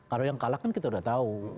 kalau yang kalah kan kita udah tahu